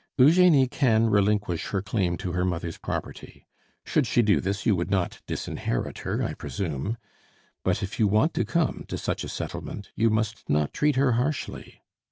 "Eugenie can relinquish her claim to her mother's property. Should she do this you would not disinherit her, I presume? but if you want to come to such a settlement, you must not treat her harshly.